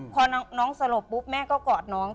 พอน้องสลบปุ๊บแม่ก็กอดน้อง